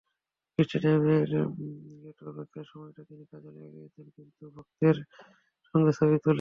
স্টেডিয়ামের গেটে অপেক্ষার সময়টা তিনি কাজে লাগিয়েছেন কিছু ভক্তের সঙ্গে ছবি তুলে।